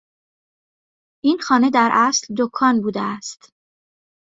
این خانه در اصل دکان بوده است.